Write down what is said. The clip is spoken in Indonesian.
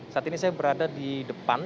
saat ini saya berada di depan